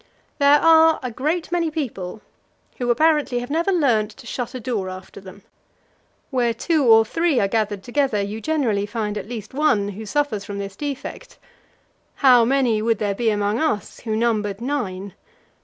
There are a great many people who apparently have never learnt to shut a door after them; where two or three are gathered together, you generally find at least one who suffers from this defect. How many would there be among us, who numbered nine?